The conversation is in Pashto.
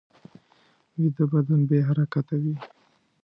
ویده بدن بې حرکته وي